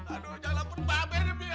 aduh jangan laporin sama mbak be mi